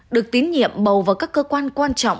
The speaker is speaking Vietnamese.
được tín nhiệm bầu vào các cơ quan quan trọng